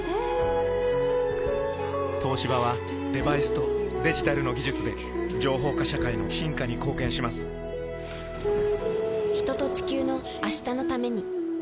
東芝はデバイスとデジタルの技術で情報化社会の進化に貢献します人と、地球の、明日のために。